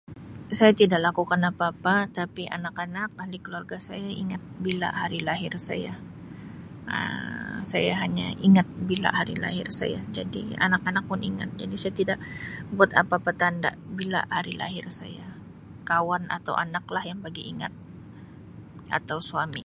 Saya tidak lakukan apa-apa tapi anak-anak, ahli keluarga saya ingat bila hari lahir saya, Um saya hanya ingat bila hari lahir saya jadi anak-anak pun ingat jadi saya tidak buat apa-apa tanda bila hari lahir saya, kawan atau anak lah bagi ingat atau suami.